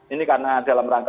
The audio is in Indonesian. ini karena dalam rangka